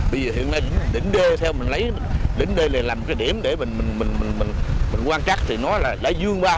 bây giờ hiện nay đỉnh đê theo mình lấy đỉnh đê là một cái điểm để mình quan trắc thì nó là lãi dương ba